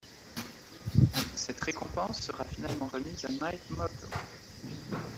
Cette récompense sera finalement remise à Mike Mottau.